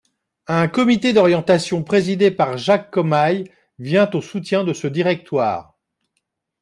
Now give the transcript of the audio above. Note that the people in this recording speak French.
Un comité d'orientation présidé par Jacques Commaille vient en soutien de ce directoire.